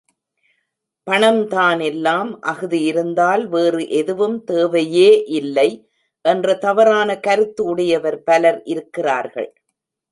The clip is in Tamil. பணம்தான் எல்லாம் அஃது இருந்தால் வேறு எதுவும் தேவையே இல்லை என்ற தவறான கருத்து உடையவர் பலர் இருக்கிறார்கள்.